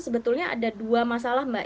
sebetulnya ada dua masalah mbak